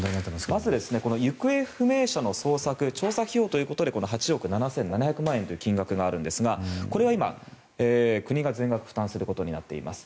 まず行方不明者の捜索調査費用ということで８億７７００万円という金額があるんですがこれは今、国が全額負担することになっています。